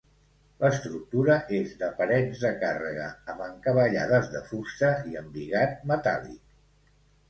L'estructura és de parets de càrrega amb encavallades de fusta i embigat metàl·lic.